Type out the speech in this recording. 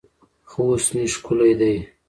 خوست مې ښکلی دی